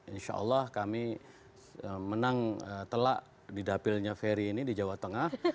insya allah kami menang telak di dapilnya ferry ini di jawa tengah